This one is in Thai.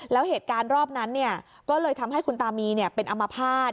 แล้วเหตุการณ์รอบนั้นก็เลยทำให้คุณตามีเป็นอมภาษณ์